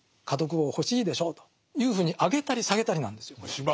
家督を欲しいでしょうというふうに上げたり下げたりなんですよこれ。